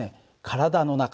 体の中